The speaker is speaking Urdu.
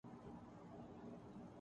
بندوبست ان کا مکمل تھا۔